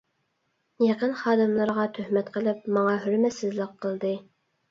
يېقىن خادىملىرىغا تۆھمەت قىلىپ، ماڭا ھۆرمەتسىزلىك قىلدى.